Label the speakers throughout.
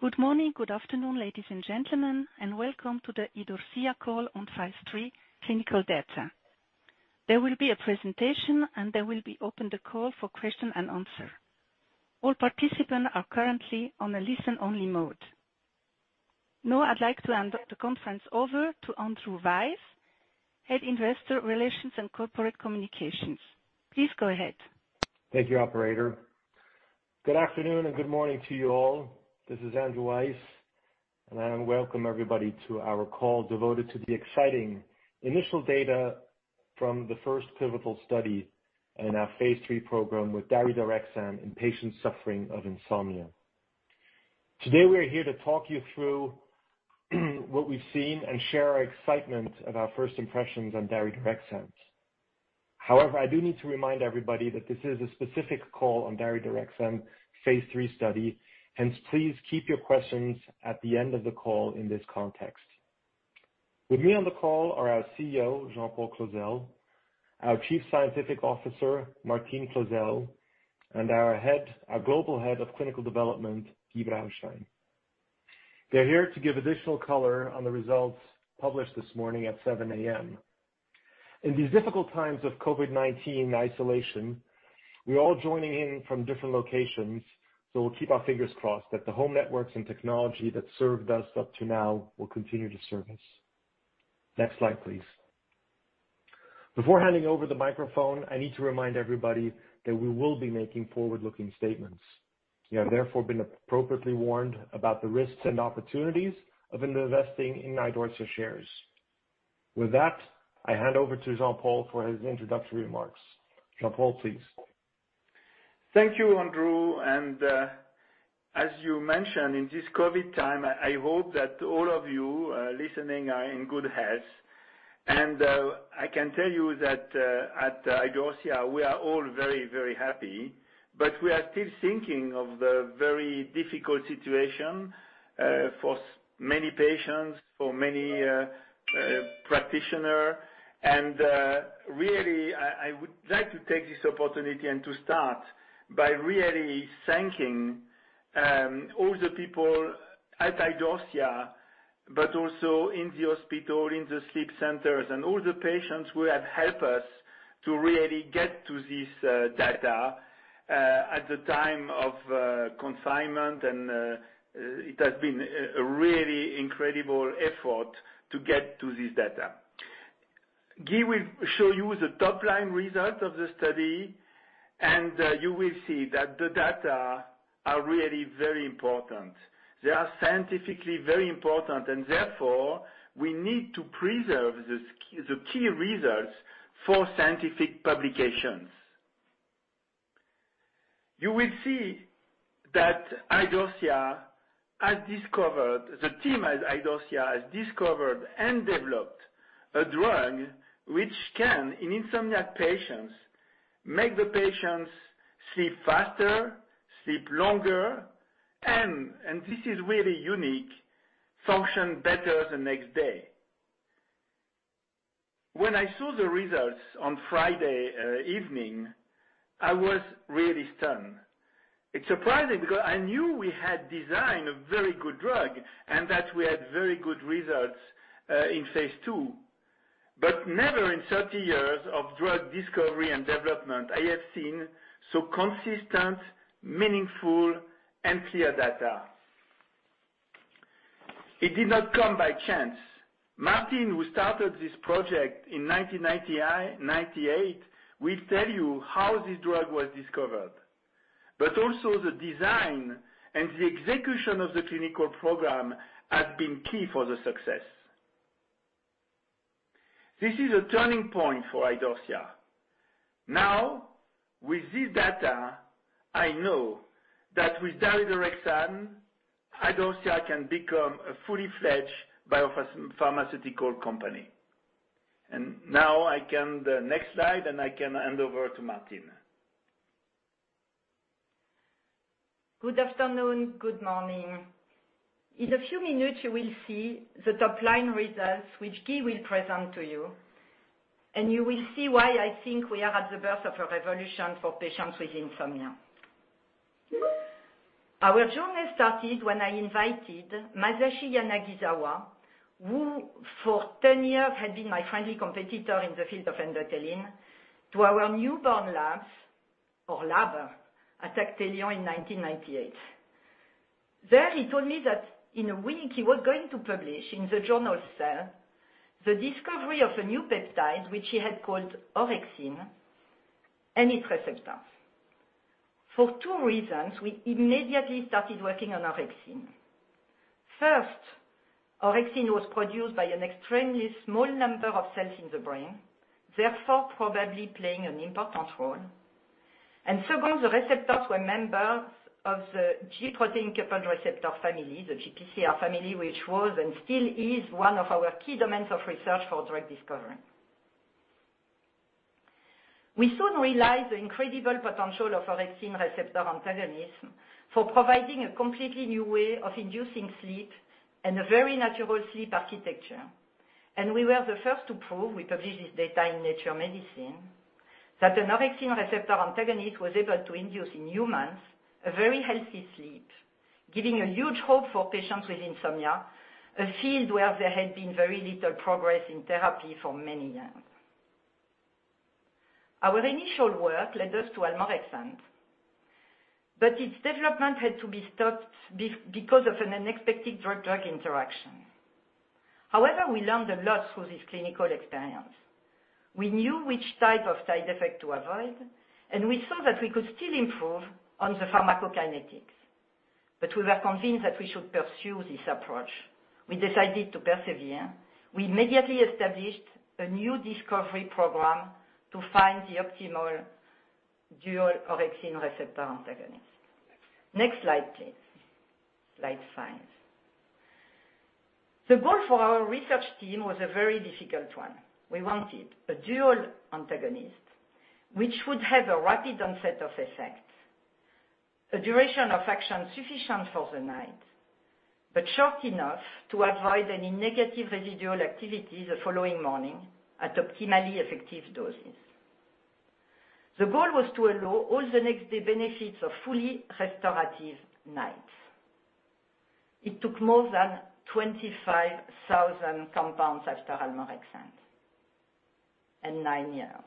Speaker 1: Good morning, good afternoon, ladies and gentlemen, welcome to the Idorsia call on phase III clinical data. There will be a presentation, there will be open the call for question and answer. All participants are currently on a listen-only mode. I'd like to hand the conference over to Andrew Weiss, Head Investor Relations and Corporate Communications. Please go ahead.
Speaker 2: Thank you, operator. Good afternoon and good morning to you all. This is Andrew Weiss, I welcome everybody to our call devoted to the exciting initial data from the first pivotal study in our phase III program with daridorexant in patients suffering of insomnia. Today, we are here to talk you through what we've seen and share our excitement of our first impressions on daridorexant. I do need to remind everybody that this is a specific call on daridorexant phase III study, hence, please keep your questions at the end of the call in this context. With me on the call are our CEO, Jean-Paul Clozel, our Chief Scientific Officer, Martine Clozel, and our Global Head of Clinical Development, Guy Braunstein. They're here to give additional color on the results published this morning at 7:00 A.M. In these difficult times of COVID-19 isolation, we're all joining in from different locations. We'll keep our fingers crossed that the home networks and technology that served us up to now will continue to serve us. Next slide, please. Before handing over the microphone, I need to remind everybody that we will be making forward-looking statements. You have therefore been appropriately warned about the risks and opportunities of investing in Idorsia shares. With that, I hand over to Jean-Paul for his introductory remarks. Jean-Paul, please.
Speaker 3: Thank you, Andrew. As you mentioned, in this COVID time, I hope that all of you listening are in good health. I can tell you that at Idorsia, we are all very happy, but we are still thinking of the very difficult situation for many patients, for many practitioners. Really, I would like to take this opportunity and to start by really thanking all the people at Idorsia, but also in the hospital, in the sleep centers, and all the patients who have helped us to really get to this data at the time of confinement, and it has been a really incredible effort to get to this data. Guy will show you the top-line result of the study, and you will see that the data are really very important. They are scientifically very important, and therefore, we need to preserve the key results for scientific publications. You will see that Idorsia has discovered, the team at Idorsia has discovered and developed a drug which can, in insomnia patients, make the patients sleep faster, sleep longer, and this is really unique, function better the next day. When I saw the results on Friday evening, I was really stunned. It's surprising because I knew we had designed a very good drug, and that we had very good results in phase II, never in 30 years of drug discovery and development I have seen so consistent, meaningful and clear data. It did not come by chance. Martine, who started this project in 1998, will tell you how this drug was discovered. Also the design and the execution of the clinical program has been key for the success. This is a turning point for Idorsia. Now, with this data, I know that with daridorexant, Idorsia can become a fully fledged biopharmaceutical company. Now I can, the next slide, and I can hand over to Martine.
Speaker 4: Good afternoon, good morning. In a few minutes, you will see the top-line results, which Guy will present to you, and you will see why I think we are at the birth of a revolution for patients with insomnia. Our journey started when I invited Masashi Yanagisawa, who for 10 years had been my friendly competitor in the field of endothelin, to our newborn labs, or lab, at Actelion in 1998. There, he told me that in a week he was going to publish in the journal Cell, the discovery of a new peptide, which he had called orexin and its receptor. For two reasons, we immediately started working on orexin. First, orexin was produced by an extremely small number of cells in the brain, therefore, probably playing an important role. Second, the receptors were members of the G protein-coupled receptor family, the GPCR family, which was and still is one of our key domains of research for drug discovery. We soon realized the incredible potential of orexin receptor antagonism for providing a completely new way of inducing sleep and a very natural sleep architecture. We were the first to prove, we published this data in Nature Medicine that an orexin receptor antagonist was able to induce in humans a very healthy sleep, giving a huge hope for patients with insomnia, a field where there had been very little progress in therapy for many years. Our initial work led us to almorexant, its development had to be stopped because of an unexpected drug-drug interaction. However, we learned a lot through this clinical experience. We knew which type of side effect to avoid, and we saw that we could still improve on the pharmacokinetics. We were convinced that we should pursue this approach. We decided to persevere. We immediately established a new discovery program to find the optimal dual orexin receptor antagonist. Next slide, please. Slide five. The goal for our research team was a very difficult one. We wanted a dual antagonist, which would have a rapid onset of effects, a duration of action sufficient for the night, but short enough to avoid any negative residual activity the following morning at optimally effective doses. The goal was to allow all the next day benefits of fully restorative nights. It took more than 25,000 compounds after almorexant and nine years.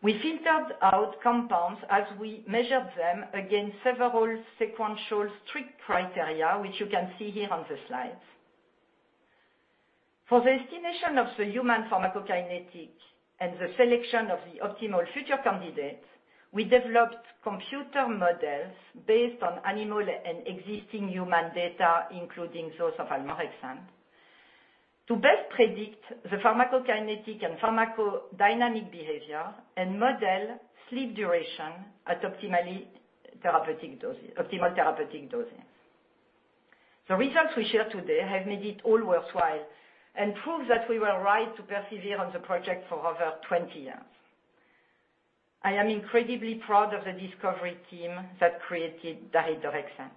Speaker 4: We filtered out compounds as we measured them against several sequential strict criteria, which you can see here on the slides. For the estimation of the human pharmacokinetic and the selection of the optimal future candidates, we developed computer models based on animal and existing human data, including those of almorexant, to best predict the pharmacokinetic and pharmacodynamic behavior and model sleep duration at optimal therapeutic dosing. The results we share today have made it all worthwhile and prove that we were right to persevere on the project for over 20 years. I am incredibly proud of the discovery team that created daridorexant.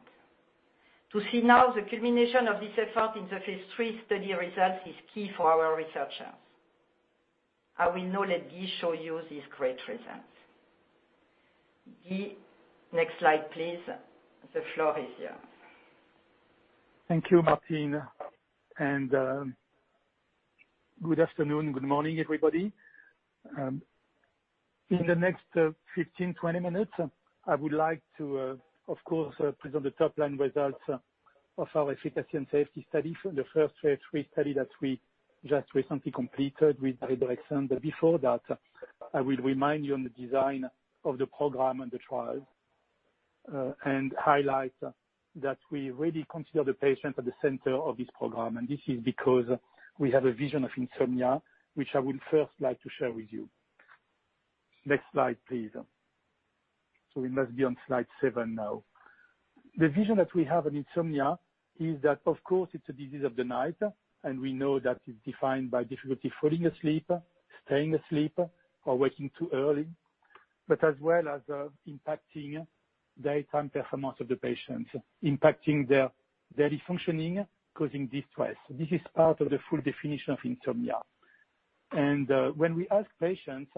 Speaker 4: To see now the culmination of this effort in the phase III study results is key for our researchers. I will now let Guy show you these great results. Guy, next slide, please. The floor is yours.
Speaker 5: Thank you, Martine, and good afternoon. Good morning, everybody. In the next 15, 20 minutes, I would like to, of course, present the top-line results of our efficacy and safety study from the first phase III study that we just recently completed with daridorexant. Before that, I will remind you on the design of the program and the trial, and highlight that we really consider the patient at the center of this program. This is because we have a vision of insomnia, which I would first like to share with you. Next slide, please. We must be on slide seven now. The vision that we have on insomnia is that, of course, it's a disease of the night, and we know that it's defined by difficulty falling asleep, staying asleep, or waking too early, but as well as impacting daytime performance of the patient, impacting their daily functioning, causing distress. This is part of the full definition of insomnia. When we ask patients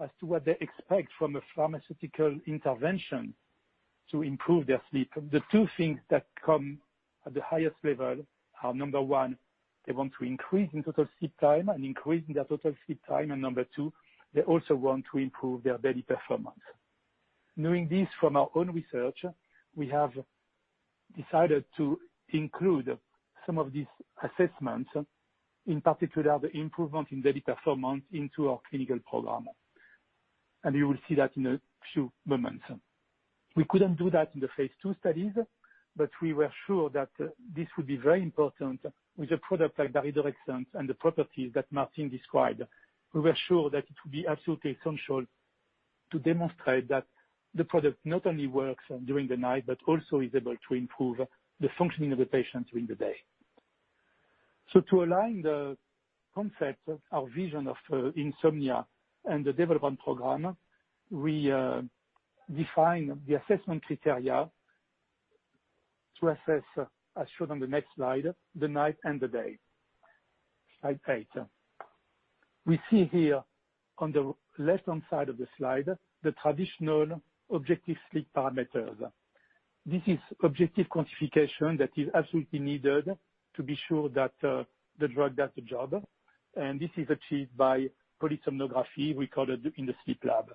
Speaker 5: as to what they expect from a pharmaceutical intervention to improve their sleep, the two things that come at the highest level are, number one, they want to increase in total sleep time and increase in their total sleep time, and number two, they also want to improve their daily performance. Knowing this from our own research, we have decided to include some of these assessments, in particular the improvement in daily performance, into our clinical program, and you will see that in a few moments. We couldn't do that in the phase II studies. We were sure that this would be very important with a product like daridorexant and the properties that Martine described. We were sure that it would be absolutely essential to demonstrate that the product not only works during the night but also is able to improve the functioning of the patient during the day. To align the concept, our vision of insomnia and the development program, we define the assessment criteria to assess, as shown on the next slide, the night and the day. Slide eight. We see here on the left-hand side of the slide, the traditional objective sleep parameters. This is objective quantification that is absolutely needed to be sure that the drug does the job. This is achieved by polysomnography recorded in the sleep lab.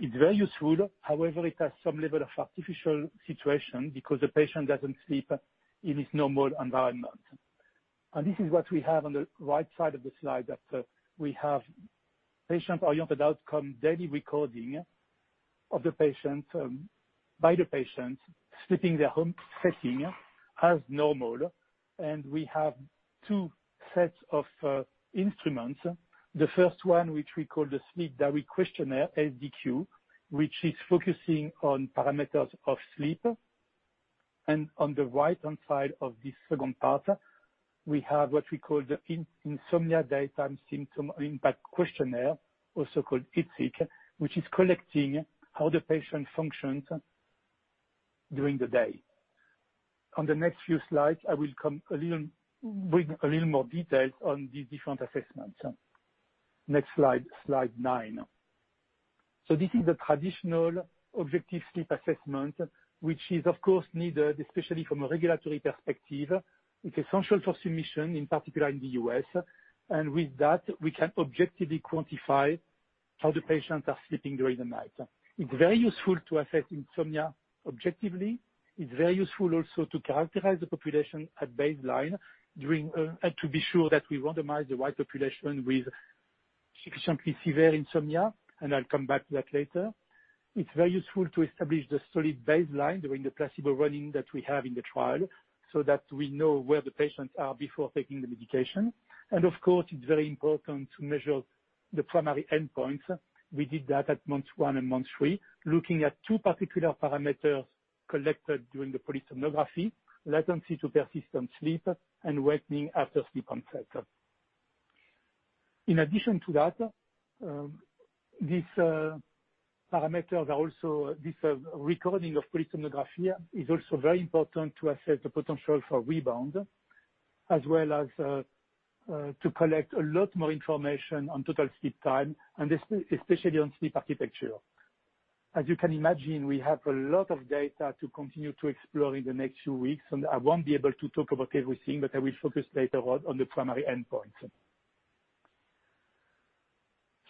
Speaker 5: It's very useful. However, it has some level of artificial situation because the patient doesn't sleep in his normal environment. This is what we have on the right side of the slide, that we have patient-oriented outcome, daily recording of the patient by the patient, sleep in their home setting as normal. We have two sets of instruments. The first one, which we call the Sleep Diary Questionnaire, SDQ, which is focusing on parameters of sleep. On the right-hand side of this second part, we have what we call the Insomnia Daytime Symptoms and Impacts Questionnaire, also called IDSIQ, which is collecting how the patient functions during the day. On the next few slides, I will bring a little more detail on these different assessments. Next slide nine. This is the traditional objective sleep assessment, which is of course needed, especially from a regulatory perspective. It's essential for submission, in particular in the U.S. With that, we can objectively quantify how the patients are sleeping during the night. It's very useful to assess insomnia objectively. It's very useful also to characterize the population at baseline, to be sure that we randomize the right population with sufficiently severe insomnia. I'll come back to that later. It's very useful to establish the solid baseline during the placebo run-in that we have in the trial so that we know where the patients are before taking the medication. Of course, it's very important to measure the primary endpoints. We did that at month one and month three, looking at two particular parameters collected during the polysomnography, latency to persistent sleep and wake after sleep onset. In addition to that, this recording of polysomnography is also very important to assess the potential for rebound, as well as to collect a lot more information on total sleep time, and especially on sleep architecture. As you can imagine, we have a lot of data to continue to explore in the next few weeks, and I won't be able to talk about everything, but I will focus later on the primary endpoints.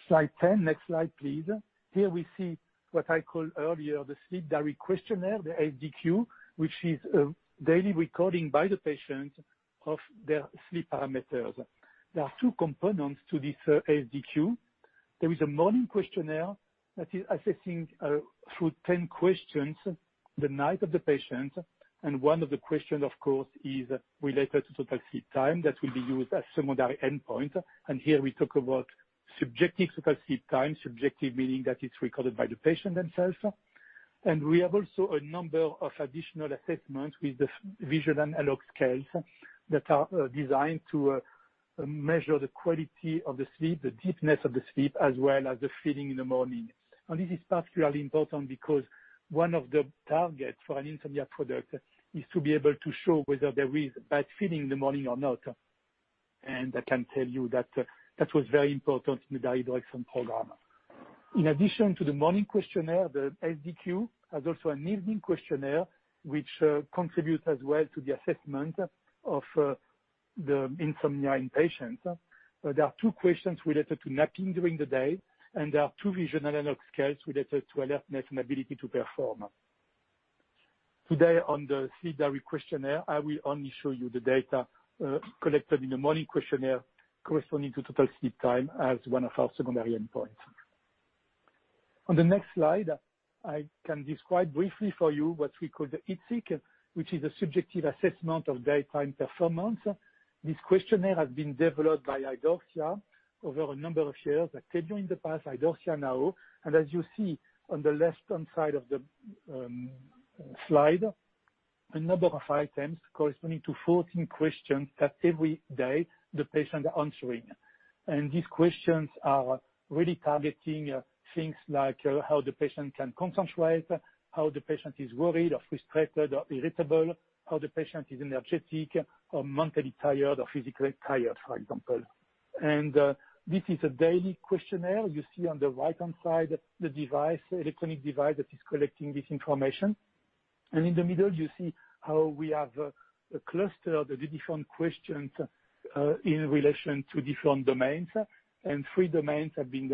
Speaker 5: Slide 10. Next slide, please. Here we see what I call earlier the Sleep Diary Questionnaire, the SDQ, which is a daily recording by the patient of their sleep parameters. There are two components to this SDQ. There is a morning questionnaire that is assessing, through 10 questions, the night of the patient. One of the question, of course, is related to total sleep time that will be used as secondary endpoint. Here we talk about subjective total sleep time, subjective meaning that it's recorded by the patient themselves. We have also a number of additional assessments with the visual analog scales that are designed to measure the quality of the sleep, the deepness of the sleep, as well as the feeling in the morning. This is particularly important because one of the targets for an insomnia product is to be able to show whether there is bad feeling in the morning or not. I can tell you that that was very important in the daridorexant program. In addition to the morning questionnaire, the SDQ has also an evening questionnaire, which contributes as well to the assessment of the insomnia in patients. There are two questions related to napping during the day, and there are two visual analog scales related to alertness and ability to perform. Today on the Sleep Diary Questionnaire, I will only show you the data collected in the morning questionnaire corresponding to total sleep time as one of our secondary endpoints. On the next slide, I can describe briefly for you what we call the IDSIQ, which is a subjective assessment of daytime performance. This questionnaire has been developed by Idorsia over a number of years. I told you in the past, Idorsia now, as you see on the left-hand side of the slide, a number of items corresponding to 14 questions that every day the patient answering. These questions are really targeting things like how the patient can concentrate, how the patient is worried or frustrated or irritable, how the patient is energetic or mentally tired or physically tired, for example. This is a daily questionnaire. You see on the right-hand side the device, electronic device that is collecting this information. In the middle, you see how we have clustered the different questions in relation to different domains. Three domains have been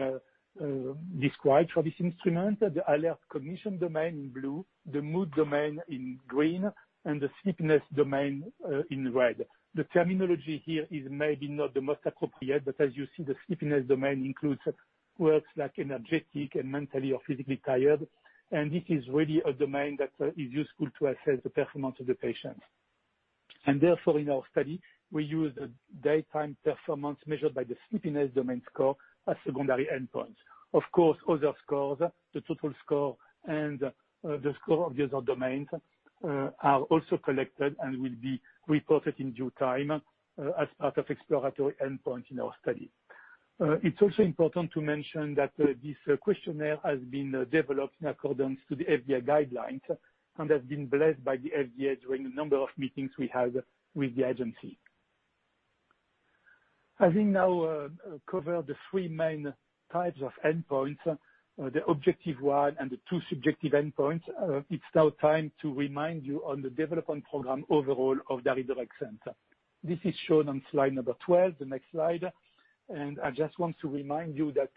Speaker 5: described for this instrument. The alert cognition domain in blue, the mood domain in green, and the sleepiness domain in red. The terminology here is maybe not the most appropriate, but as you see, the sleepiness domain includes words like energetic and mentally or physically tired. This is really a domain that is useful to assess the performance of the patient. Therefore, in our study, we use daytime performance measured by the sleepiness domain score as secondary endpoint. Of course, other scores, the total score, and the score of the other domains are also collected and will be reported in due time as part of exploratory endpoint in our study. It's also important to mention that this questionnaire has been developed in accordance to the FDA guidelines and has been blessed by the FDA during a number of meetings we had with the agency. Having now covered the three main types of endpoints, the objective one and the two subjective endpoints, it's now time to remind you on the development program overall of daridorexant. This is shown on slide number 12, the next slide. I just want to remind you that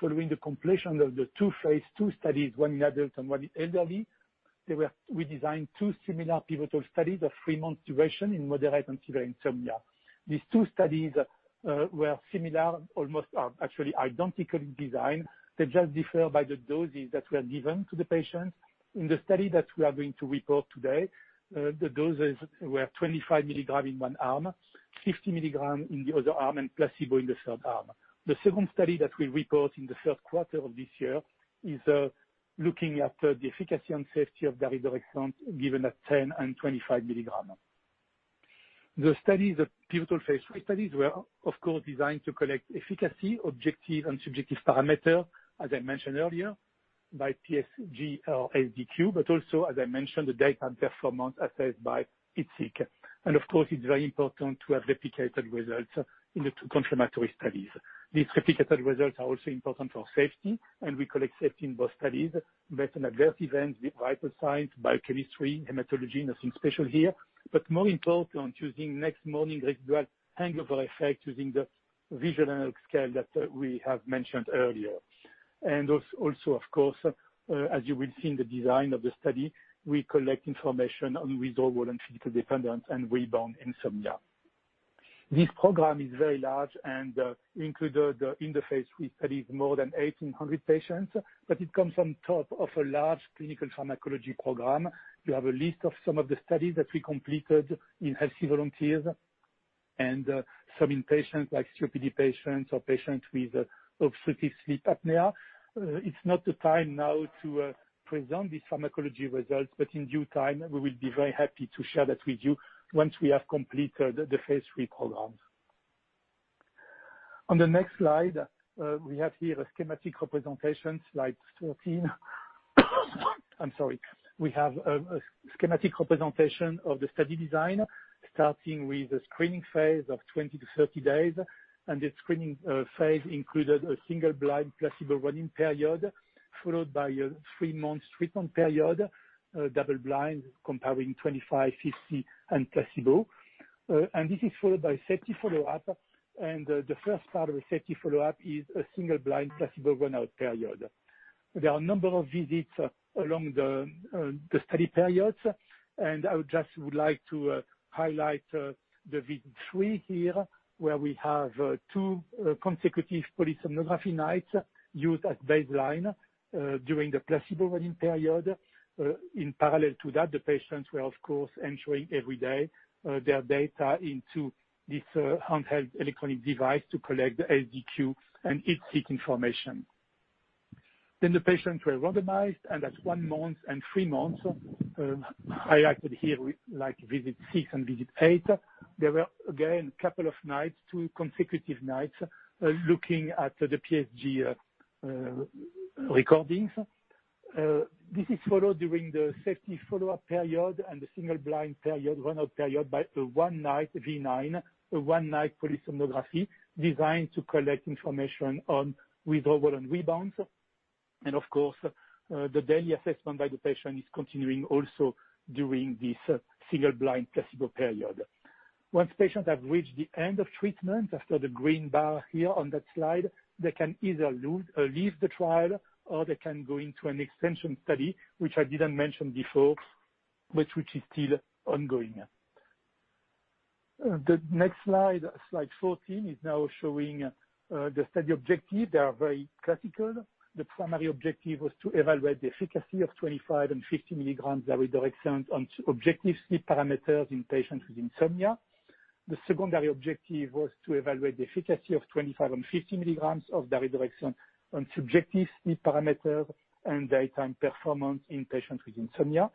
Speaker 5: following the completion of the two phase II studies, one in adults and one in elderly, we designed two similar pivotal studies of three-month duration in moderate and severe insomnia. These two studies were similar, almost, actually, identical in design. They just differ by the doses that were given to the patients. In the study that we are going to report today, the doses were 25 mg in one arm, 50 mg in the other arm, and placebo in the third arm. The second study that we'll report in the third quarter of this year is looking at the efficacy and safety of daridorexant given at 10 mg and 25 mg. The pivotal phase III studies were, of course, designed to collect efficacy, objective and subjective parameter, as I mentioned earlier, by PSG or SDQ, but also, as I mentioned, the daytime performance assessed by IDSIQ. Of course, it's very important to have replicated results in the two complementary studies. These replicated results are also important for safety, and we collect safety in both studies, based on adverse events, vital signs, biochemistry, hematology, nothing special here. More important, using next-morning residual hangover effect using the visual analog scale that we have mentioned earlier. Also, of course, as you will see in the design of the study, we collect information on withdrawal and treatment-dependent and rebound insomnia. This program is very large and included in the phase III studies more than 1,800 patients. It comes on top of a large clinical pharmacology program. You have a list of some of the studies that we completed in healthy volunteers and some in patients, like COPD patients or patients with obstructive sleep apnea. It's not the time now to present these pharmacology results. In due time, we will be very happy to share that with you once we have completed the phase III programs. On the next slide, we have here a schematic representation, slide 13. I'm sorry. We have a schematic representation of the study design, starting with a screening phase of 20-30 days. The screening phase included a single-blind, placebo run-in period, followed by a three-month treatment period, double-blind, comparing 25 mg, 50, and placebo. This is followed by a safety follow-up, and the first part of a safety follow-up is a single-blind, placebo run-out period. There are a number of visits along the study periods, and I just would like to highlight the visit three here, where we have two consecutive polysomnography nights used as baseline during the placebo running period. In parallel to that, the patients were, of course, entering every day their data into this handheld electronic device to collect the SDQ and IDSIQ information. The patients were randomized, and at one month and three months, highlighted here like visit six and visit eight. There were, again, a couple of nights, two consecutive nights, looking at the PSG recordings. This is followed during the safety follow-up period and the single-blind period, run-out period, by a one-night, V9, a one-night polysomnography designed to collect information on withdrawal and rebounds. Of course, the daily assessment by the patient is continuing also during this single-blind placebo period. Once patients have reached the end of treatment, after the green bar here on that slide, they can either leave the trial, or they can go into an extension study, which I didn't mention before, but which is still ongoing. The next slide 14, is now showing the study objective. They are very classical. The primary objective was to evaluate the efficacy of 25 mg and 50 mg daridorexant on objective sleep parameters in patients with insomnia. The secondary objective was to evaluate the efficacy of 25 mg and 50 mg of daridorexant on subjective sleep parameters and daytime performance in patients with insomnia.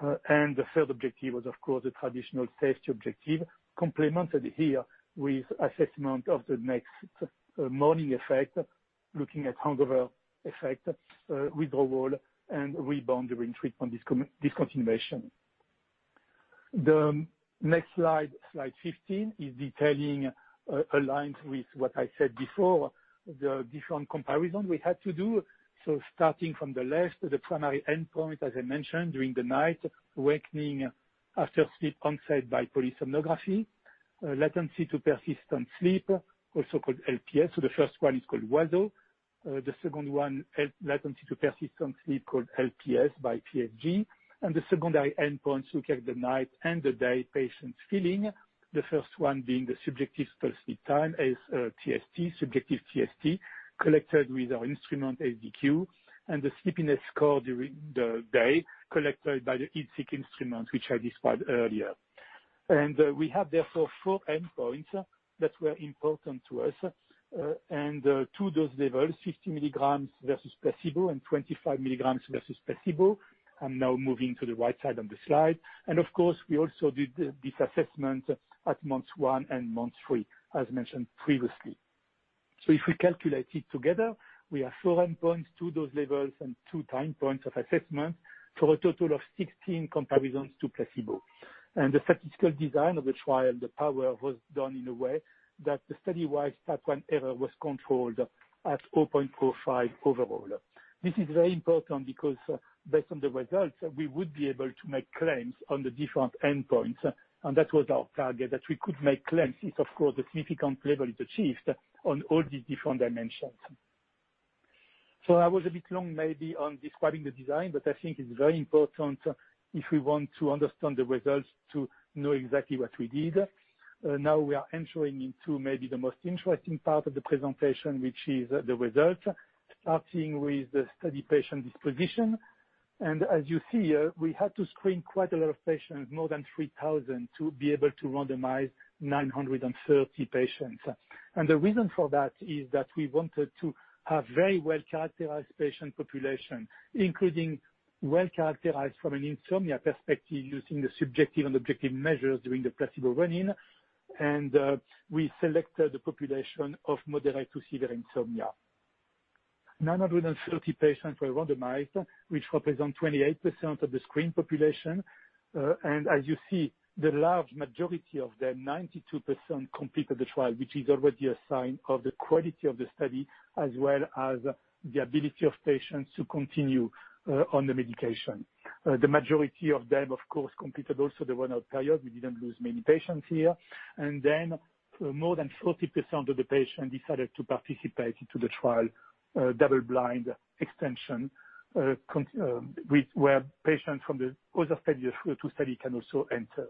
Speaker 5: The third objective was, of course, the traditional safety objective, complemented here with assessment of the next morning effect, looking at hangover effect, withdrawal, and rebound during treatment discontinuation. The next slide 15, is detailing, aligned with what I said before, the different comparison we had to do. Starting from the left, the primary endpoint, as I mentioned, during the night, awakening after sleep onset by polysomnography, latency to persistent sleep, also called LPS. The first one is called WASO. The second one, latency to persistent sleep, called LPS by PSG. The secondary endpoint look at the night and the day patient's feeling, the first one being the subjective sleep time, sTST, subjective TST, collected with our instrument, SDQ, and the sleepiness score during the day, collected by the IDSIQ instrument, which I described earlier. We have therefore four endpoints that were important to us, and two dose levels, 50 mg versus placebo and 25 mg versus placebo. I'm now moving to the right side of the slide. Of course, we also did this assessment at month one and month three, as mentioned previously. If we calculate it together, we have four endpoints, two dose levels, and two time points of assessment, so a total of 16 comparisons to placebo. The statistical design of the trial, the power, was done in a way that the study-wise type I error was controlled at 0.05 overall. This is very important because based on the results, we would be able to make claims on the different endpoints, and that was our target, that we could make claims if, of course, the significant level is achieved on all these different dimensions. I was a bit long maybe on describing the design, but I think it's very important if we want to understand the results to know exactly what we did. Now we are entering into maybe the most interesting part of the presentation, which is the results, starting with the study patient disposition. As you see, we had to screen quite a lot of patients, more than 3,000, to be able to randomize 930 patients. The reason for that is that we wanted to have very well-characterized patient population, including well-characterized from an insomnia perspective using the subjective and objective measures during the placebo run-in. We selected the population of moderate to severe insomnia. 930 patients were randomized, which represents 28% of the screen population. As you see, the large majority of them, 92%, completed the trial, which is already a sign of the quality of the study, as well as the ability of patients to continue on the medication. The majority of them, of course, completed also the run-out period. We didn't lose many patients here. More than 40% of the patients decided to participate into the trial double-blind extension, where patients from the other phase II study can also enter.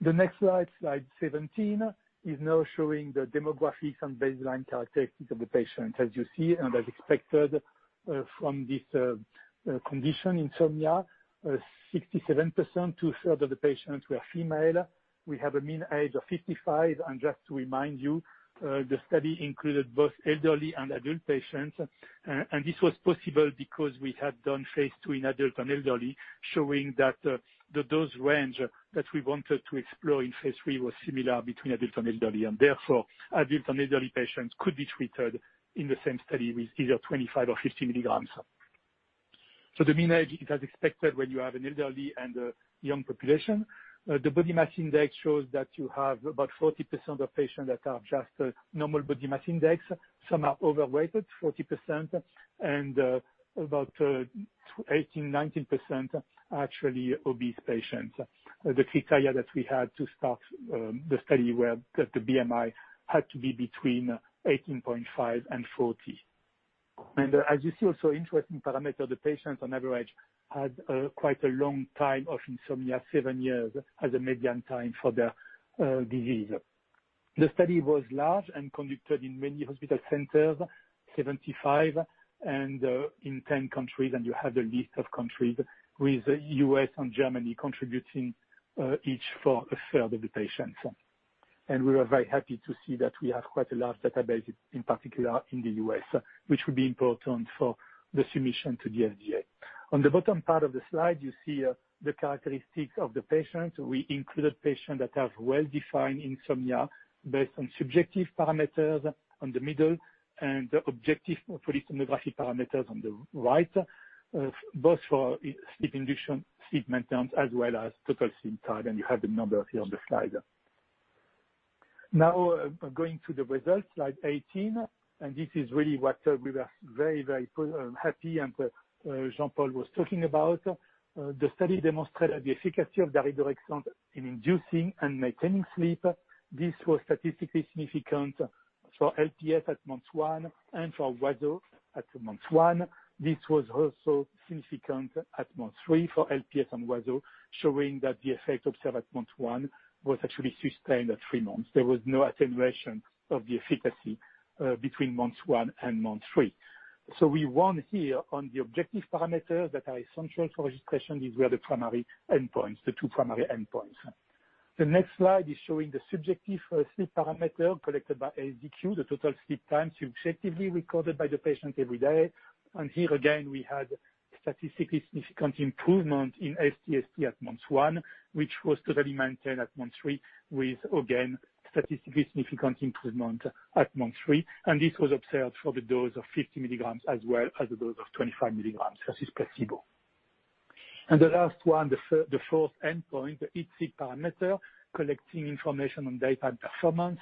Speaker 5: The next slide 17, is now showing the demographics and baseline characteristics of the patients. As you see, and as expected from this condition, insomnia, 67%, two-thirds of the patients were female. We have a mean age of 55, and just to remind you, the study included both elderly and adult patients. This was possible because we had done phase II in adult and elderly, showing that the dose range that we wanted to explore in phase III was similar between adult and elderly, and therefore adult and elderly patients could be treated in the same study with either 25 mg or 50 mg. The mean age is as expected when you have an elderly and a young population. The body mass index shows that you have about 40% of patients that have just normal body mass index. Some are overweight, 40%, and about 18%, 19% are actually obese patients. The criteria that we had to start the study were that the BMI had to be between 18.5 and 40. As you see also, interesting parameter, the patients on average had quite a long time of insomnia, seven years as a median time for their disease. The study was large and conducted in many hospital centers, 75, and in 10 countries, and you have the list of countries, with the U.S., and Germany contributing each for a third of the patients. We were very happy to see that we have quite a large database, in particular in the U.S., which will be important for the submission to the FDA. On the bottom part of the slide, you see the characteristics of the patients. We included patients that have well-defined insomnia based on subjective parameters on the middle, and objective polysomnography parameters on the right, both for sleep induction, sleep maintenance, as well as total sleep time, and you have the number here on the slide. Going to the results, slide 18. This is really what we were very, very happy and Jean-Paul was talking about. The study demonstrated the efficacy of daridorexant in inducing and maintaining sleep. This was statistically significant for LPS at month one and for WASO at month one. This was also significant at month three for LPS and WASO, showing that the effect observed at month one was actually sustained at three months. There was no attenuation of the efficacy between month one and month three. We won here on the objective parameters that are essential for registration. These were the primary endpoints, the two primary endpoints. The next slide is showing the subjective sleep parameter collected by IDSIQ, the total sleep time subjectively recorded by the patient every day. Here again, we had statistically significant improvement in sTST at month one, which was totally maintained at month three, with again, statistically significant improvement at month three. This was observed for the dose of 50 mg as well as a dose of 25 mg versus placebo. The last one, the fourth endpoint, ESS parameter, collecting information on daytime performance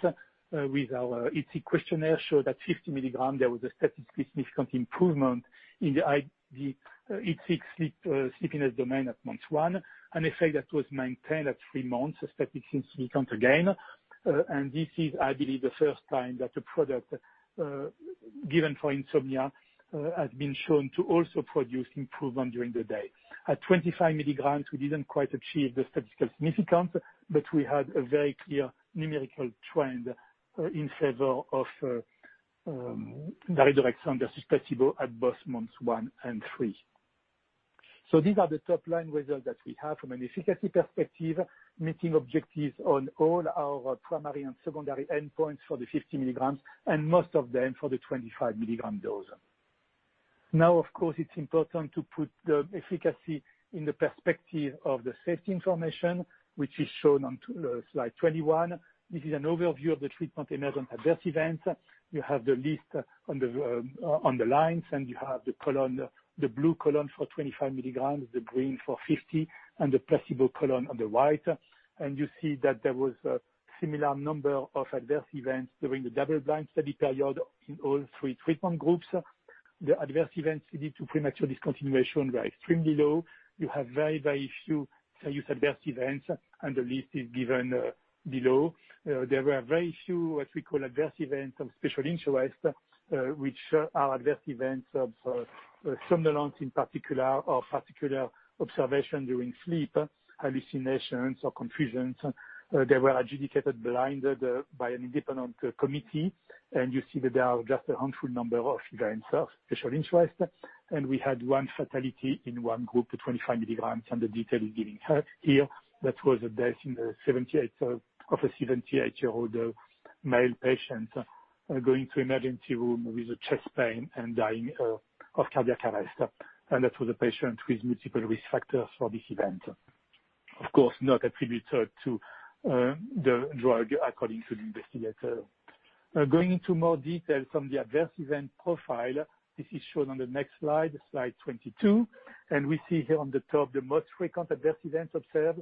Speaker 5: with our ESS questionnaire, showed that 50 mg, there was a statistically significant improvement in the ESS sleepiness domain at month one, an effect that was maintained at three months, statistically significant again. This is, I believe, the first time that a product given for insomnia has been shown to also produce improvement during the day. At 25 mg, we didn't quite achieve the statistical significance, but we had a very clear numerical trend in favor of daridorexant versus placebo at both months one and three. These are the top-line results that we have from an efficacy perspective, meeting objectives on all our primary and secondary endpoints for the 50 mg, and most of them for the 25-mg dose. Of course, it's important to put the efficacy in the perspective of the safety information, which is shown on slide 21. This is an overview of the treatment-emergent adverse events. You have the list on the lines, and you have the blue column for 25 mg, the green for 50 mg, and the placebo column on the right. You see that there was a similar number of adverse events during the double-blind study period in all three treatment groups. The adverse events leading to premature discontinuation were extremely low. You have very few serious adverse events, and the list is given below. There were very few, what we call adverse events of special interest, which are adverse events of somnolence in particular, or particular observation during sleep, hallucinations or confusions. They were adjudicated blinded by an independent committee, you see that there are just a handful number of events of special interest. We had one fatality in one group, the 25 mg, and the detail is given here. That was a death of a 78-year-old male patient going to emergency room with chest pain and dying of cardiac arrest. That was a patient with multiple risk factors for this event. Of course, not attributed to the drug according to the investigator. Going into more details from the adverse event profile, this is shown on the next slide 22, and we see here on the top the most frequent adverse events observed.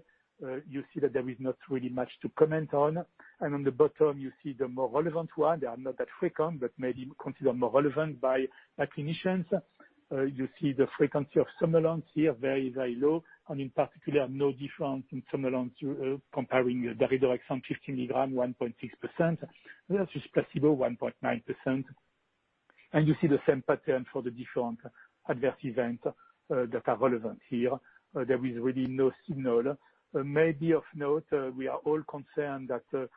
Speaker 5: You see that there is not really much to comment on. On the bottom you see the more relevant one. They are not that frequent, but maybe considered more relevant by clinicians. You see the frequency of somnolence here, very low, and in particular, no difference in somnolence comparing daridorexant 50 mg, 1.6%, versus placebo, 1.9%. You see the same pattern for the different adverse events that are relevant here. There is really no signal. Maybe of note, we are all concerned that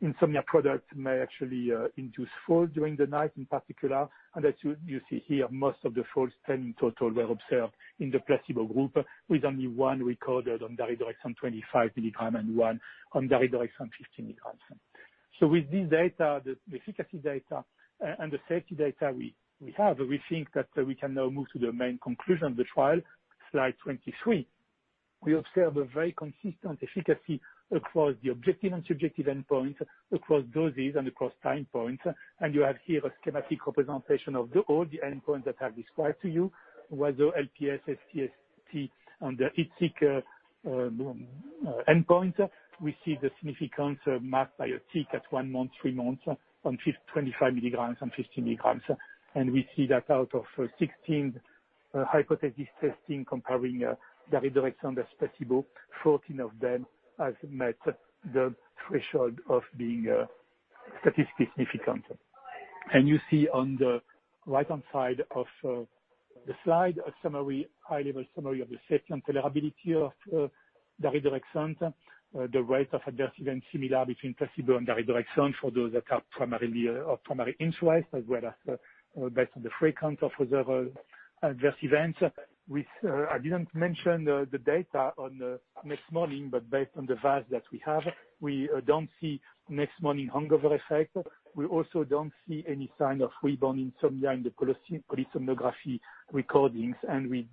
Speaker 5: insomnia products may actually induce falls during the night in particular, and that you see here most of the falls, 10 in total, were observed in the placebo group with only one recorded on daridorexant 25 mg and one on daridorexant 50 mg. With this data, the efficacy data and the safety data we have, we think that we can now move to the main conclusion of the trial. Slide 23. We observe a very consistent efficacy across the objective and subjective endpoints, across doses, and across time points. You have here a schematic representation of all the endpoints that I described to you, whether LPS, sTST, and the IDSIQ endpoints. We see the significance marked by a tick at one month, three months on 25 mg and 50 mg. We see that out of 16 hypothesis testing comparing daridorexant and the placebo, 14 of them has met the threshold of being statistically significant. You see on the right-hand side of the slide, a high-level summary of the safety and tolerability of daridorexant. The rate of adverse events similar between placebo and daridorexant for those that are primarily of primary interest, as well as based on the frequency of observed adverse events. I didn't mention the data on next morning, but based on the data that we have, we don't see next morning hangover effect. We also don't see any sign of rebound insomnia in the polysomnography recordings, we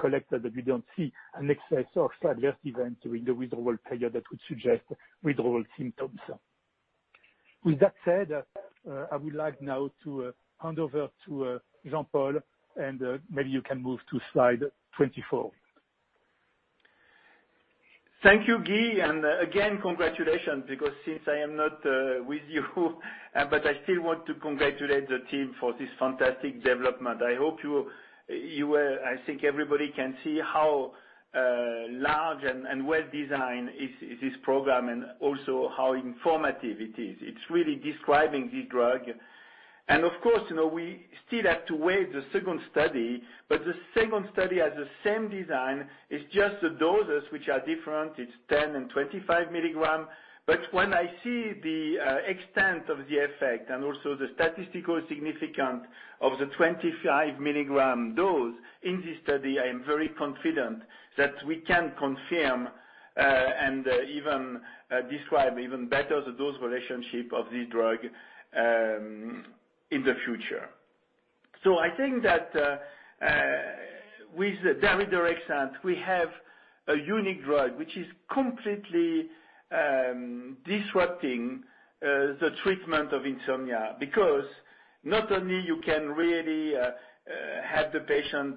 Speaker 5: collected, but we don't see an excess of adverse event during the withdrawal period that would suggest withdrawal symptoms. With that said, I would like now to hand over to Jean-Paul. Maybe you can move to slide 24.
Speaker 3: Thank you, Guy. Again, congratulations because since I am not with you, but I still want to congratulate the team for this fantastic development. I think everybody can see how large and well-designed is this program and also how informative it is. It's really describing the drug. Of course, we still have to wait the second study. The second study has the same design. It's just the doses which are different. It's 10 mg and 25 mg. When I see the extent of the effect and also the statistical significance of the 25-mg dose in this study, I am very confident that we can confirm, and even describe even better the dose relationship of the drug in the future. I think that with daridorexant, we have a unique drug, which is completely disrupting the treatment of insomnia because not only you can really have the patient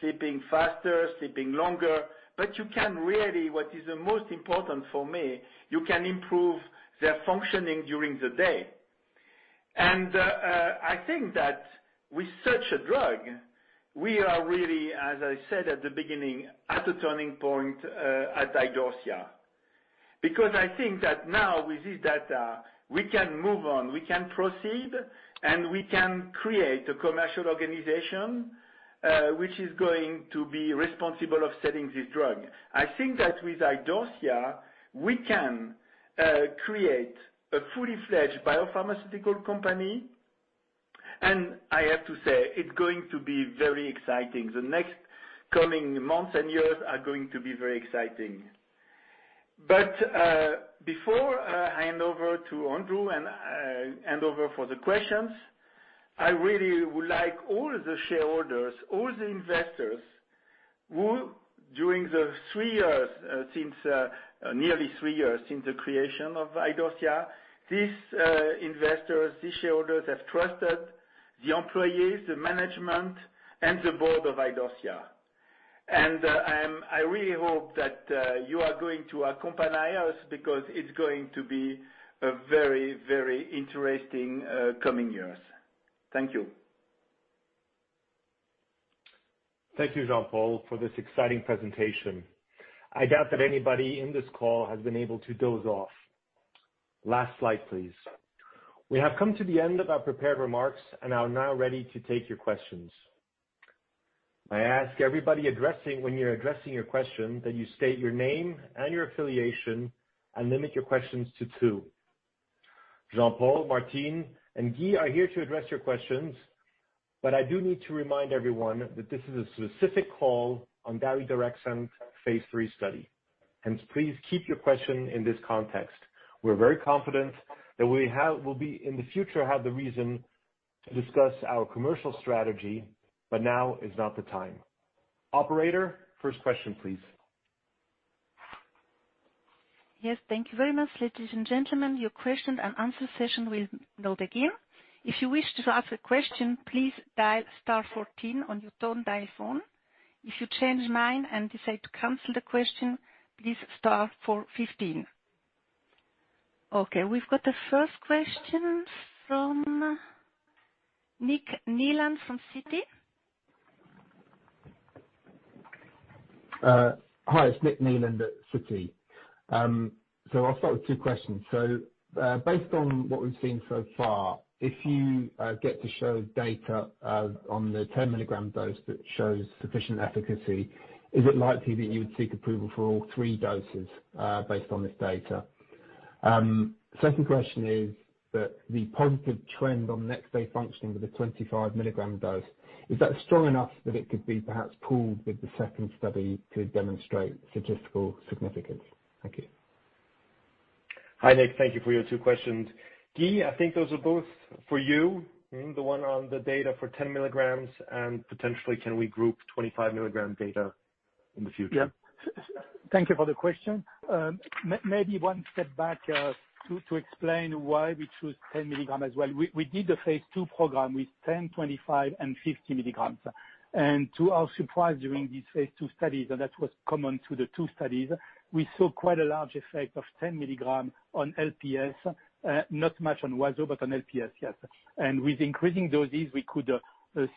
Speaker 3: sleeping faster, sleeping longer, but you can really, what is the most important for me, you can improve their functioning during the day. I think that with such a drug, we are really, as I said at the beginning, at a turning point at Idorsia. I think that now with this data, we can move on, we can proceed, and we can create a commercial organization, which is going to be responsible of selling this drug. I think that with Idorsia, we can create a fully fledged biopharmaceutical company. I have to say, it's going to be very exciting. The next coming months and years are going to be very exciting. Before I hand over to Andrew and hand over for the questions, I really would like all the shareholders, all the investors who during the three years since, nearly three years since the creation of Idorsia, these investors, these shareholders, have trusted the employees, the management, and the board of Idorsia. I really hope that you are going to accompany us because it's going to be a very interesting coming years. Thank you.
Speaker 2: Thank you, Jean-Paul, for this exciting presentation. I doubt that anybody in this call has been able to doze off. Last slide, please. We have come to the end of our prepared remarks and are now ready to take your questions. I ask everybody when you're addressing your question, that you state your name and your affiliation and limit your questions to two. Jean-Paul, Martine, and Guy are here to address your questions, but I do need to remind everyone that this is a specific call on daridorexant phase III study. Hence, please keep your question in this context. We're very confident that we'll be, in the future, have the reason to discuss our commercial strategy, but now is not the time. Operator, first question, please.
Speaker 1: Yes, thank you very much, ladies and gentlemen. Your question and answer session will now begin. If you wish to ask a question, please dial star 14 on your tone dial phone. If you change your mind and decide to cancel the question, please star 15. Okay, we've got the first question from Nick Nieland from Citi.
Speaker 6: Hi, it's Nick Nieland at Citi. I'll start with two questions. Based on what we've seen so far, if you get to show data on the 10-mg dose that shows sufficient efficacy, is it likely that you would seek approval for all three doses based on this data? Second question is that the positive trend on next day functioning with the 25-mg dose, is that strong enough that it could be perhaps pooled with the second study to demonstrate statistical significance? Thank you.
Speaker 2: Hi, Nick. Thank you for your two questions. Guy, I think those are both for you. The one on the data for 10 mg and potentially can we group 25-mg data in the future?
Speaker 5: Thank you for the question. Maybe one step back, to explain why we chose 10 mg as well. We did the phase II program with 10 mg, 25 mg, and 50 mg. To our surprise, during these phase II studies, and that was common to the two studies, we saw quite a large effect of 10 mg on LPS. Not much on WASO, but on LPS, yes. With increasing doses, we could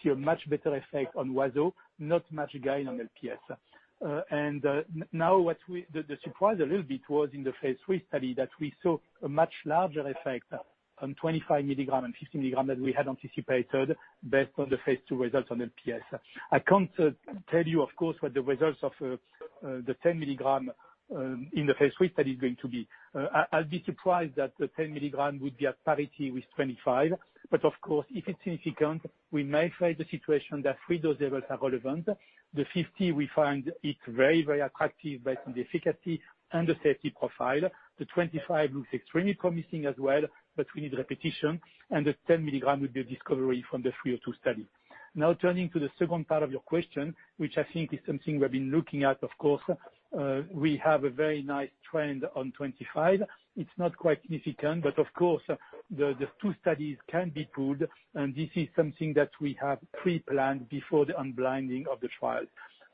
Speaker 5: see a much better effect on WASO, not much again on LPS. Now what the surprise a little bit was in the phase III study that we saw a much larger effect on 25 mg and 50 mg than we had anticipated based on the phase II results on LPS. I can't tell you, of course, what the results of the 10 mg in the phase III study is going to be. I'll be surprised that the 10 mg would be at parity with 25 mg. Of course, if it's significant, we may face the situation that three dose levels are relevant. The 50 mg we find it very attractive based on the efficacy and the safety profile. The 25 mg looks extremely promising as well, but we need repetition, and the 10 mg would be a discovery from the 302 Study. Now turning to the second part of your question, which I think is something we've been looking at, of course. We have a very nice trend on 25 mg. It's not quite significant, but of course, the two studies can be pooled, and this is something that we have pre-planned before the unblinding of the trial.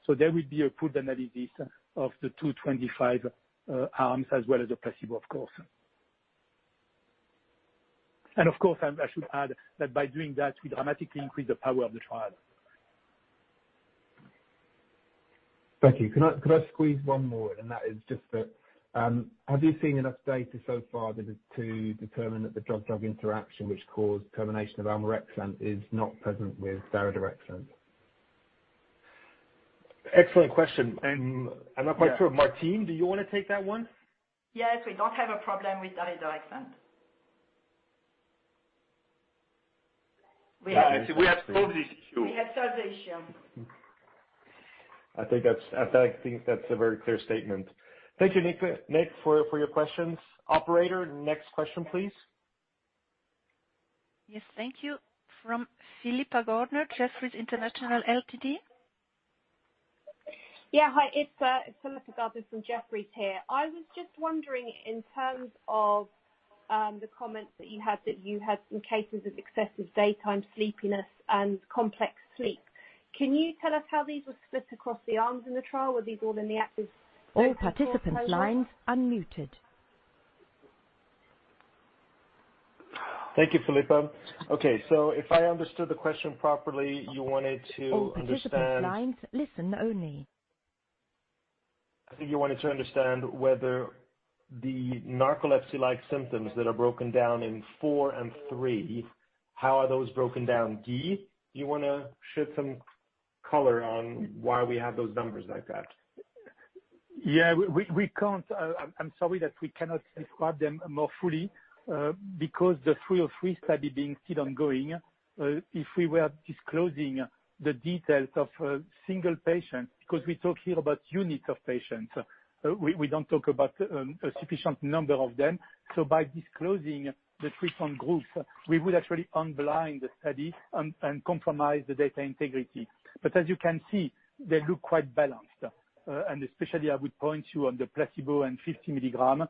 Speaker 5: There will be a pool analysis of the two 25 mg arms as well as the placebo, of course. Of course, I should add that by doing that, we dramatically increase the power of the trial.
Speaker 6: Thank you. Could I squeeze one more in? That is just that, have you seen enough data so far to determine that the drug-drug interaction which caused termination of almorexant is not present with daridorexant?
Speaker 2: Excellent question, and I'm not quite sure. Martine, do you want to take that one?
Speaker 4: Yes, we don't have a problem with daridorexant.
Speaker 5: We have solved this issue.
Speaker 4: We have solved the issue.
Speaker 2: I think that's a very clear statement. Thank you, Nick, for your questions. Operator, next question, please.
Speaker 1: Yes, thank you. From Philippa Gardner, Jefferies International Ltd. Yeah. Hi, it's Philippa Gardner from Jefferies here. I was just wondering in terms of the comments that you had that you had some cases of excessive daytime sleepiness and complex sleep. Can you tell us how these were split across the arms in the trial? Were these all in the active- All participants' lines unmuted.
Speaker 2: Thank you, Philippa. Okay, if I understood the question properly, you wanted to understand.
Speaker 1: All participants' lines listen only. I think you wanted to understand whether the narcolepsy-like symptoms that are broken down in four and three, how are those broken down. Guy, do you want to shed some color on why we have those numbers like that?
Speaker 5: Yeah, we can't. I'm sorry that we cannot describe them more fully, because the 303 Study being still ongoing. If we were disclosing the details of a single patient, because we talk here about units of patients. We don't talk about a sufficient number of them. By disclosing the treatment group, we would actually unblind the study and compromise the data integrity. As you can see, they look quite balanced. Especially I would point you on the placebo and 50 mg.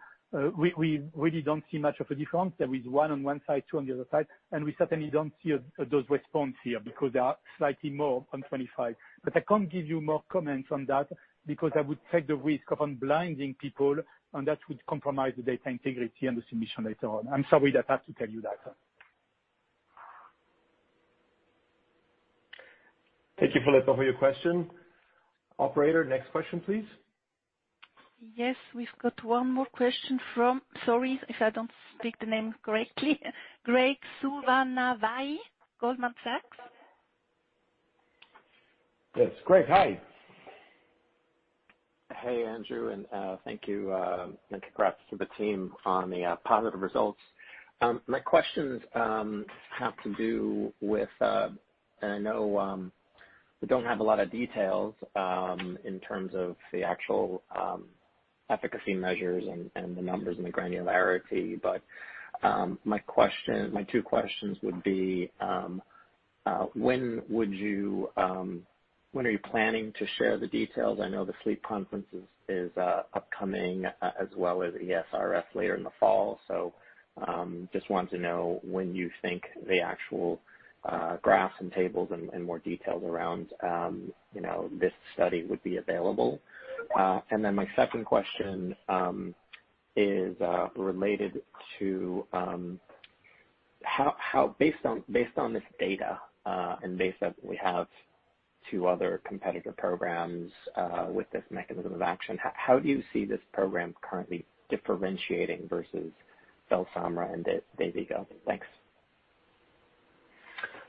Speaker 5: We really don't see much of a difference. There is one on one side, two on the other side, and we certainly don't see those response here because they are slightly more on 25 mg. I can't give you more comments on that because I would take the risk of unblinding people, and that would compromise the data integrity and the submission later on. I'm sorry that I have to tell you that.
Speaker 2: Thank you, Philippa, for your question. Operator, next question, please.
Speaker 1: Yes, we've got one more question from, sorry if I don't speak the name correctly, Graig Suvannavejh, Goldman Sachs.
Speaker 2: Yes, Graig, hi.
Speaker 7: Hey, Andrew, and thank you. Congrats to the team on the positive results. My questions have to do with, and I know we don't have a lot of details in terms of the actual efficacy measures and the numbers and the granularity. My two questions would be, when are you planning to share the details? I know the Sleep Congress is upcoming as well as ESRS later in the fall. Just wanted to know when you think the actual graphs and tables and more details around this study would be available. My second question is related to, based on this data, and based that we have two other competitor programs with this mechanism of action, how do you see this program currently differentiating versus Belsomra and Dayvigo? Thanks.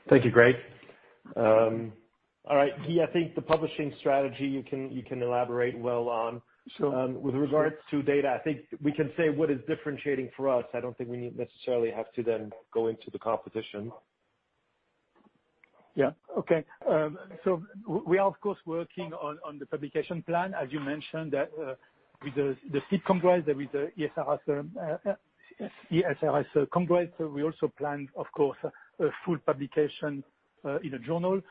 Speaker 2: Thank you, Graig. All right. Guy, I think the publishing strategy you can elaborate well on.
Speaker 5: Sure.
Speaker 2: With regards to data, I think we can say what is differentiating for us. I don't think we need necessarily have to then go into the competition.
Speaker 5: Yeah. Okay. We are of course, working on the publication plan, as you mentioned, with the Sleep Congress, with the ESRS Congress. We also plan, of course, a full publication in a journal.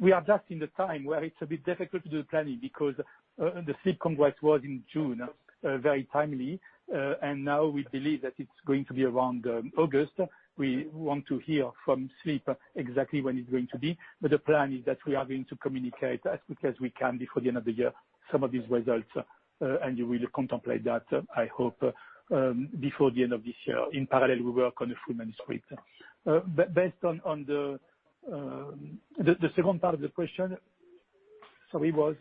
Speaker 5: We are just in the time where it's a bit difficult to do the planning because the Sleep Congress was in June, very timely. Now we believe that it's going to be around August. We want to hear from Sleep exactly when it's going to be. The plan is that we are going to communicate as quick as we can before the end of the year some of these results, and you will contemplate that, I hope, before the end of this year. In parallel, we work on the full manuscript. Based on the second part of the question. Sorry, what?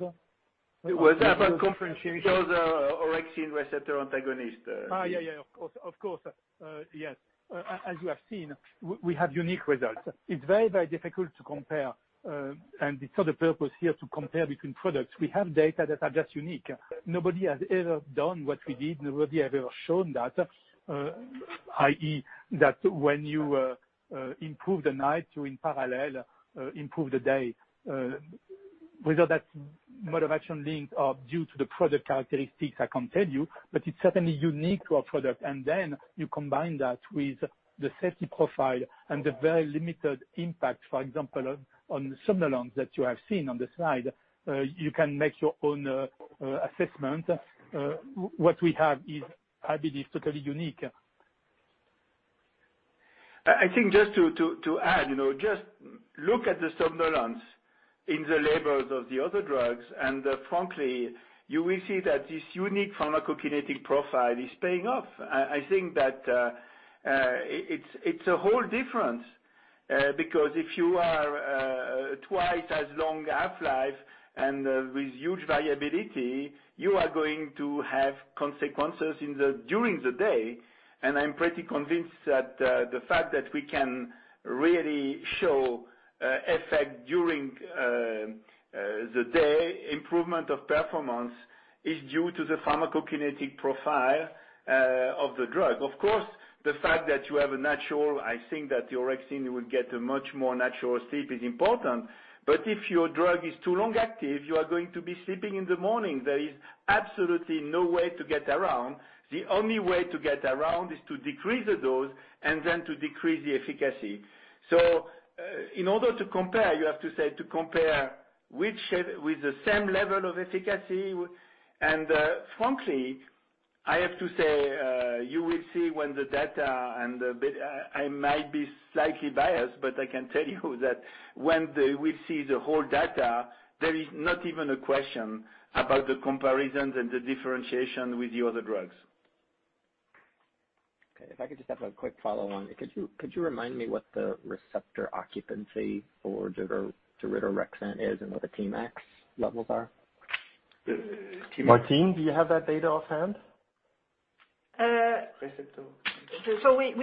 Speaker 2: It was about comparing the orexin receptor antagonist.
Speaker 5: Yeah. Of course. Yes. As you have seen, we have unique results. It's very difficult to compare. It's not the purpose here to compare between products. We have data that are just unique. Nobody has ever done what we did. Nobody has ever shown data, i.e., that when you improve the night, you in parallel improve the day. Whether that mode of action linked or due to the product characteristics, I can't tell you, but it's certainly unique to our product. Then you combine that with the safety profile and the very limited impact, for example, on somnolence that you have seen on the slide. You can make your own assessment. What we have is, I believe, totally unique.
Speaker 3: I think just to add, just look at the somnolence in the labels of the other drugs, and frankly, you will see that this unique pharmacokinetic profile is paying off. I think that it's a whole difference, because if you are twice as long half-life and with huge variability, you are going to have consequences during the day. I'm pretty convinced that the fact that we can really show effect during the day, improvement of performance is due to the pharmacokinetic profile of the drug. Of course, the fact that you have a natural, I think that the orexin will get a much more natural sleep is important. If your drug is too long active, you are going to be sleeping in the morning. There is absolutely no way to get around. The only way to get around is to decrease the dose and then to decrease the efficacy. In order to compare, you have to say to compare with the same level of efficacy. Frankly, I have to say, you will see when the data and the I might be slightly biased, but I can tell you that when we see the whole data, there is not even a question about the comparisons and the differentiation with the other drugs.
Speaker 7: Okay. If I could just have a quick follow on. Could you remind me what the receptor occupancy for daridorexant is and what the tmax levels are?
Speaker 3: Martine, do you have that data offhand?
Speaker 4: Can you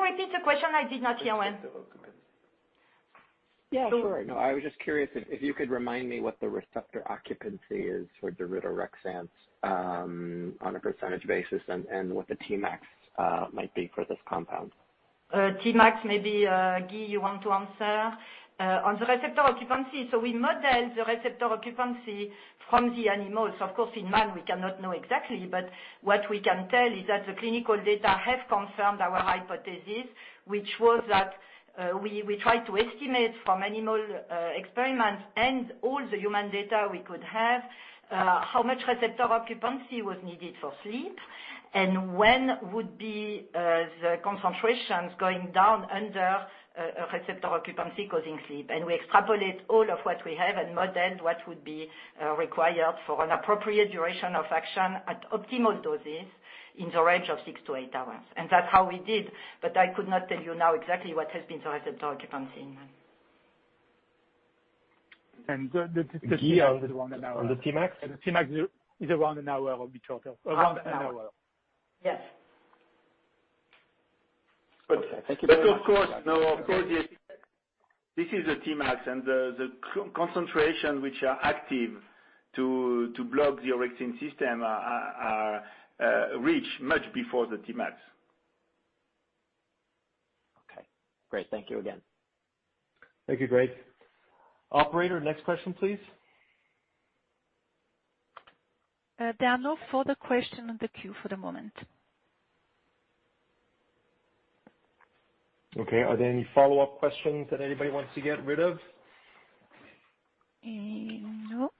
Speaker 4: repeat the question? I did not hear well.
Speaker 7: Yeah, sure. No, I was just curious if you could remind me what the receptor occupancy is for daridorexant, on a percentage basis and what the tmax might be for this compound.
Speaker 4: ...tmax, maybe Guy, you want to answer. On the receptor occupancy, we model the receptor occupancy from the animals. Of course, in man, we cannot know exactly, but what we can tell is that the clinical data have confirmed our hypothesis, which was that we try to estimate from animal experiments and all the human data we could have, how much receptor occupancy was needed for sleep, and when would be the concentrations going down under receptor occupancy causing sleep. We extrapolate all of what we have and modeled what would be required for an appropriate duration of action at optimal doses in the range of six to eight hours. That's how we did, but I could not tell you now exactly what has been the receptor occupancy in man.
Speaker 5: The tmax is around an hour of each other. Around an hour.
Speaker 4: Yes.
Speaker 7: Okay. Thank you very much.
Speaker 3: Of course, this is the tmax and the concentration which are active. To block the orexin system are reached much before the tmax.
Speaker 7: Okay, great. Thank you again.
Speaker 2: Thank you, Graig. Operator, next question, please.
Speaker 1: There are no further question in the queue for the moment.
Speaker 2: Okay. Are there any follow-up questions that anybody wants to get rid of?
Speaker 1: No.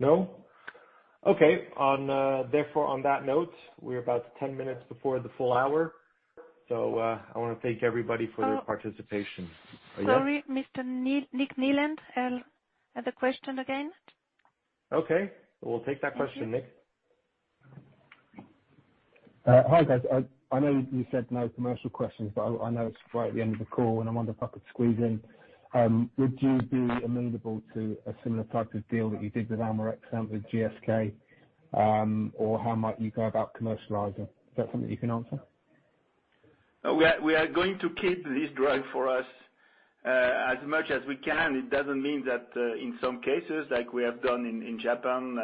Speaker 2: No? Okay. On that note, we're about 10 minutes before the full hour. I want to thank everybody for their participation.
Speaker 1: Sorry, Mr. Nick Nieland had a question again.
Speaker 2: Okay. We'll take that question, Nick.
Speaker 6: Hi, guys. I know you said no commercial questions, but I know it's right at the end of the call, and I wonder if I could squeeze in. Would you be amenable to a similar type of deal that you did with almorexant and with GSK? How might you go about commercializing? Is that something you can answer?
Speaker 3: We are going to keep this drug for us as much as we can. It doesn't mean that in some cases, like we have done in Japan,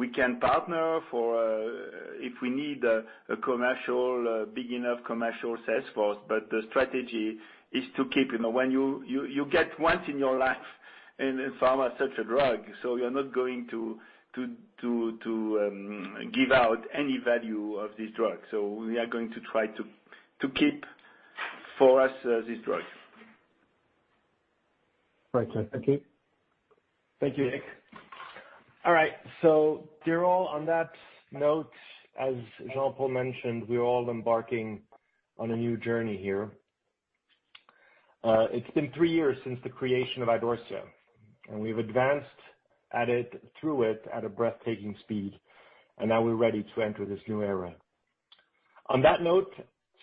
Speaker 3: we can partner for if we need a big enough commercial sales force. The strategy is to keep. You get once in your life in pharma such a drug, you're not going to give out any value of this drug. We are going to try to keep for us this drug.
Speaker 6: Right. Thank you.
Speaker 2: Thank you, Nick. All right. They're all on that note, as Jean-Paul mentioned, we're all embarking on a new journey here. It's been three years since the creation of Idorsia, and we've advanced at it, through it, at a breathtaking speed, and now we're ready to enter this new era. On that note,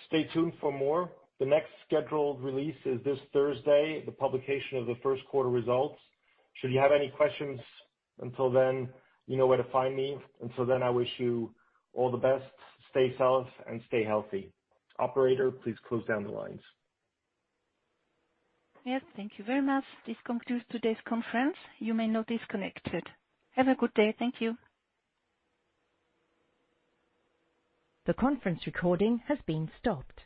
Speaker 2: stay tuned for more. The next scheduled release is this Thursday, the publication of the first quarter results. Should you have any questions until then, you know where to find me. Until then, I wish you all the best. Stay safe and stay healthy. Operator, please close down the lines.
Speaker 1: Yes, thank you very much. This concludes today's conference. You may now disconnect. Have a good day. Thank you. The conference recording has been stopped.